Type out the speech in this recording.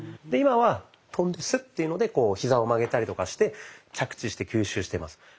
で今は跳んでスッていうのでひざを曲げたりとかして着地して吸収してます。